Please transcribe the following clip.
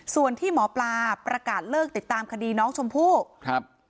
ส่วนที่หมอปลาประกาศเลิกติดตามคดีน้องชมพู่ครับ